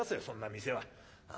そんな店は。